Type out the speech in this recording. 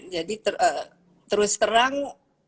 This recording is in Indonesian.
jadi terus terang